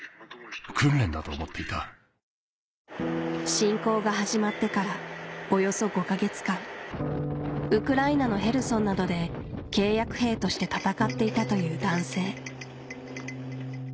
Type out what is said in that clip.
侵攻が始まってからおよそ５か月間ウクライナのヘルソンなどで契約兵として戦っていたという男性